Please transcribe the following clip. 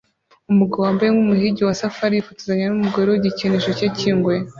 Umugabo wambaye nkumuhigi wa safari yifotozanya numugore nigikinisho cye cyingwe